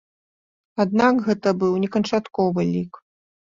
Аднак гэта быў не канчатковы лік.